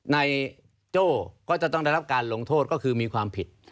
โจ้ก็จะต้องได้รับการลงโทษก็คือมีความผิด